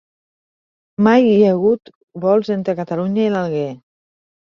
Mai hi ha hagut vols entre Catalunya i l'Alguer